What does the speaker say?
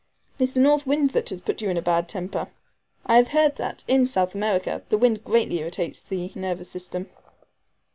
"It's the north wind that has put you in a bad temper. I have heard that, in South America, the wind greatly irritates the nervous system."